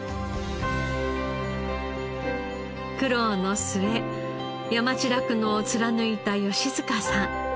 苦労の末山地酪農を貫いた吉塚さん。